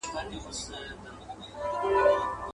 په دريو مياشتو كي به لاس درنه اره كړي.